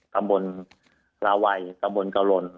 ตำบลลาวัยตำบลกะลน